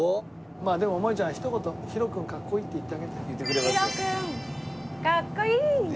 まあでももえちゃんひと言「ヒロ君かっこいい」って言ってあげて。